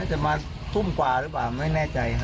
จะมาทุ่มกว่าหรือเปล่าไม่แน่ใจ